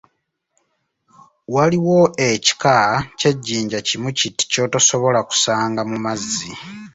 Waliwo ekika ky'ejjinja kimu kiti ky'otosobola kusanga mu mazzi.